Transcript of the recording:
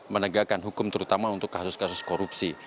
menegakkan hukum terutama untuk kasus kasus korupsi